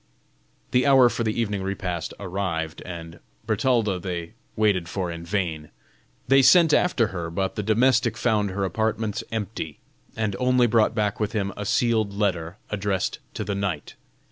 The hour for the evening repast arrived, and Bertalda they waited for in vain. They sent after her, but the domestic found her apartments empty, and only brought back with him a sealed letter addressed to the knight.